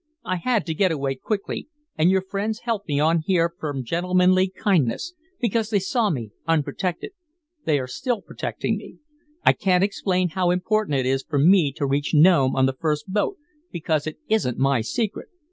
I had to get away quickly, and your friends helped me on here from gentlemanly kindness, because they saw me unprotected. They are still protecting me. I can't explain how important it is for me to reach Nome on the first boat, because it isn't my secret.